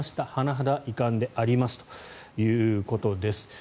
甚だ遺憾でありますということです。